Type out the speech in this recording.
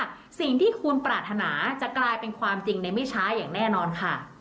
สิ่งที่คุณปรารถนาจะกลายเป็นความจริงในไม่ช้าอย่างแน่นอนค่ะ